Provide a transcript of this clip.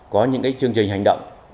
có những cái chương trình hành động